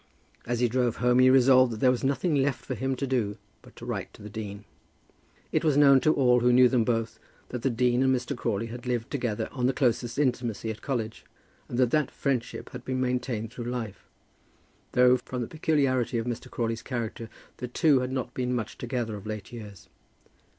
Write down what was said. As he drove home he resolved that there was nothing left for him to do, but to write to the dean. It was known to all who knew them both, that the dean and Mr. Crawley had lived together on the closest intimacy at college, and that that friendship had been maintained through life; though, from the peculiarity of Mr. Crawley's character, the two had not been much together of late years.